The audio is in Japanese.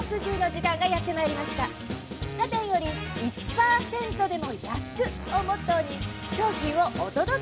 「他店より１％でも安く」をモットーに商品をおとどけ。